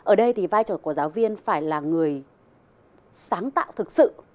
ở đây thì vai trò của giáo viên phải là người sáng tạo thực sự